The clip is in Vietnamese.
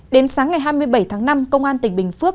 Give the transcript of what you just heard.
đến sáng ngày hai mươi bảy tháng năm công an tỉnh bình phước